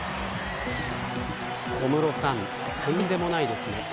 小室さん、とんでもないですね。